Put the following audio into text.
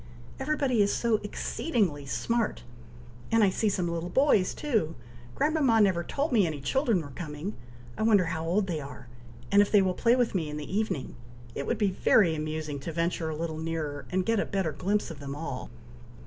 Everybody is so exceedingly smart! and I see some little boys too! Grandmama never told me any children were coming! I wonder how old they are, and if they will play with me in the evening! It would be very amusing to venture a little nearer, and get a better glimpse of them all!"